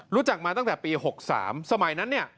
รู้จักมาตั้งแต่ปี๖๓สมัยนั้นเนี่ย